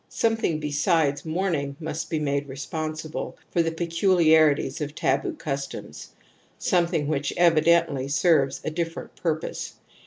Something besides mourn ing must be made responsible for the pecu Uaxities of taboo customs, something which evi dently serves a different purpose.